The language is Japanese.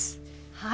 はい！